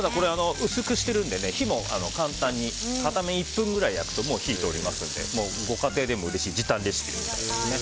薄くしているので火も簡単に片面１分ぐらい焼くともう火が通りますのでご家庭でもうれしい時短レシピになります。